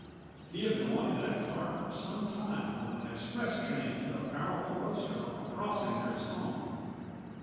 He had been wanting that car for some time when an express train hit a powerful roadster on a crossing near his home.